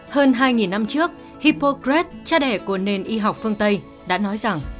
hơn hai năm trước hipograd cha đẻ của nền y học phương tây đã nói rằng